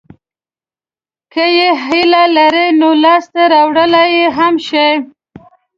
که یې هیله لرئ نو لاسته راوړلای یې هم شئ.